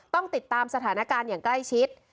ต้องติดตามสถานการณ์อย่างใกล้ชิด